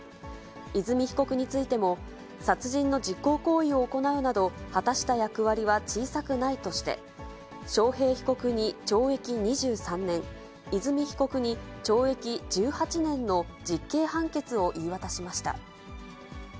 和美被告についても、殺人の実行行為を行うなど、果たした役割は小さくないとして、章平被告に懲役２３年、和美被告に懲役１８年の実刑判決を言い渡しました。